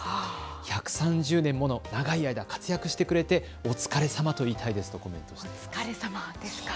１３０年もの長い間、活躍してくれてお疲れさまと言いたいですとコメントしています。